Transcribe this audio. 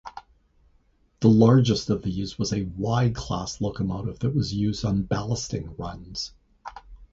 The largest of these was a Y-class locomotive that was used on ballasting runs.